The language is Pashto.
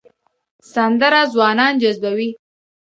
سندره ځوانان جذبوي